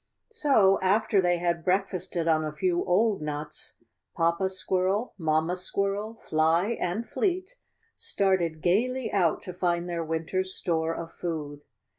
^^So, after they had breakfasted on a few old nuts, ,Papa Squirrel, Mamma Squirrel, Fly, and Fleet, started gayly out to find their winter's store of food.